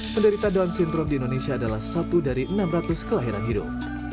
penderita down syndrome di indonesia adalah satu dari enam ratus kelahiran hidup